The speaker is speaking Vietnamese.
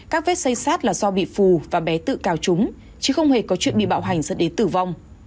các vết xây sát là do bị phù và bé tự cào trúng chứ không hề có chuyện bị bạo hành dẫn đến tử vong